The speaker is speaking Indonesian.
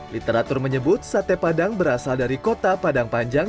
literatur menyebut sate padang berasal dari kota padang panjang